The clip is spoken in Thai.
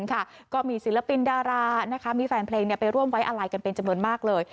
ก็มีศิลปินดารามีแฟนเพลงไปร่วมไว้อาลัยกันเป็นจำนวนมากเลย